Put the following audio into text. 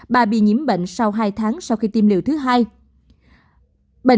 bà bị nhiễm bệnh sau hai tháng sau khi tiêm liều thứ hai